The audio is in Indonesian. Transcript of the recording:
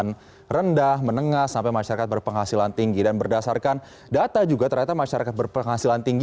yang rendah menengah sampai masyarakat berpenghasilan tinggi dan berdasarkan data juga ternyata masyarakat berpenghasilan tinggi